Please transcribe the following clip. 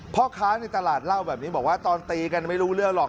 พ่อค้าในตลาดเล่าแบบนี้บอกว่าตอนตีกันไม่รู้เรื่องหรอก